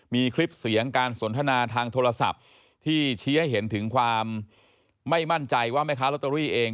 มีคลิปเสียงการสนทนาทางโทรศัพท์ที่ชี้ให้เห็นถึงความไม่มั่นใจว่าแม่ค้าลอตเตอรี่เอง